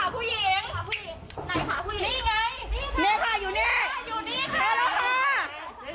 เฮ้ยขาผู้หญิงค่ะขาผู้หญิง